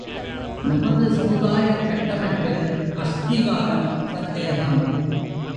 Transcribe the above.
நமது சமுதாயக் கட்டமைப்பில் அஸ்திவாரம் சந்தேகம்.